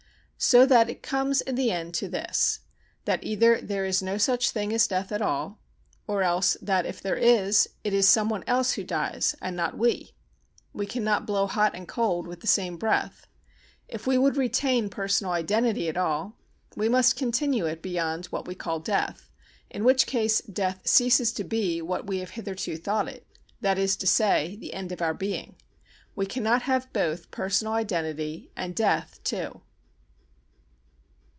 So that it comes in the end to this, that either there is no such thing as death at all, or else that, if there is, it is some one else who dies and not we. We cannot blow hot and cold with the same breath. If we would retain personal identity at all, we must continue it beyond what we call death, in which case death ceases to be what we have hitherto thought it, that is to say, the end of our being. We cannot have both personal identity and death too.